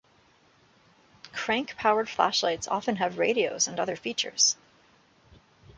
Crank powered flashlights often have radios and other features.